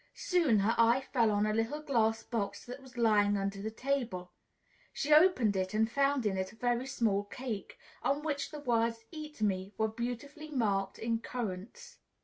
Soon her eye fell on a little glass box that was lying under the table: she opened it and found in it a very small cake, on which the words "EAT ME" were beautifully marked in currants.